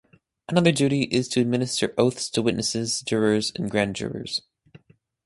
Another duty is to administer oaths to witnesses, jurors, and grand jurors.